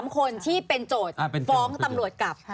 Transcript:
๓คนที่เป็นโจทย์ฟ้องตำรวจกลับ